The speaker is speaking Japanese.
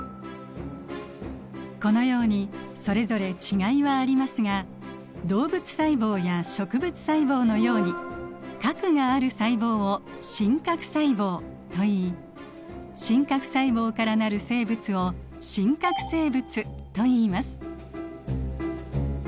このようにそれぞれ違いはありますが動物細胞や植物細胞のように核がある細胞を真核細胞といい真核細胞から成る生物を真核生物といいます。